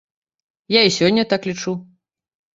Я і сёння так лічу.